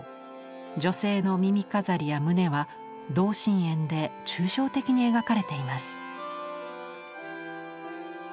女性の耳飾りや胸は同心円で抽象的に描かれています。